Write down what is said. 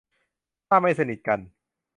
ถ้าไม่สนิทกัน